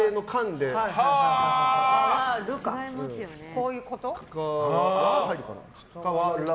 こういうこと？